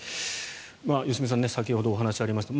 良純さん先ほどお話がありました